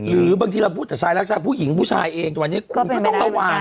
หรือบางทีเราพูดแต่ชายรักชายผู้หญิงผู้ชายเองแต่วันนี้คุณก็ต้องระวัง